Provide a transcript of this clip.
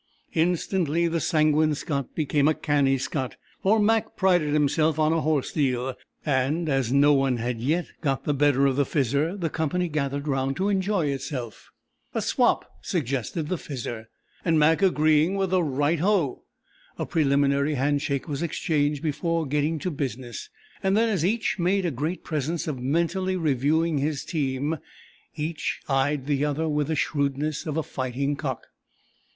Instantly the Sanguine Scot became a Canny Scot, for Mac prided himself on a horse deal. And as no one had yet got the better of the Fizzer the company gathered round to enjoy itself. "A swop," suggested the Fizzer, and Mac agreeing with a "Right ho!" a preliminary hand shake was exchanged before "getting to business"; and then, as each made a great presence of mentally reviewing his team, each eyed the other with the shrewdness of a fighting cock.